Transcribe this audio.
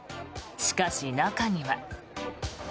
しかし、中には。